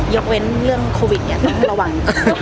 ยกเว้นเรื่องโควิดเนี่ยต้องระวัง